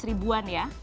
lima ratus ribuan ya